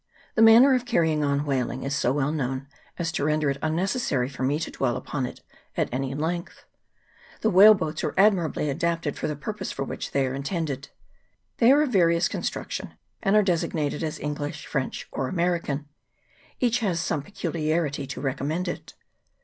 The manner of carrying on whaling is so well known as to render it unnecessary for me to dwell CHAP. II.] WHALES AND WHALERS. 49 upon it at any length. The whale boats are admir ably adapted for the purpose for which they are in tended. They are of various construction, and are designated as English, French, or American : each has some peculiarity to recommend it.